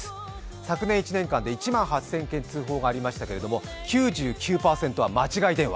昨年１年間で１万８０００件通報がありましたけれども、９９％は間違い電話。